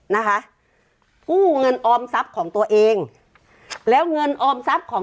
นะคะกู้เงินออมทรัพย์ของตัวเองแล้วเงินออมทรัพย์ของ